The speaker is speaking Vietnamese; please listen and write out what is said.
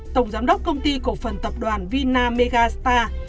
tổng giám đốc công ty cổ phần tập đoàn vinamegastar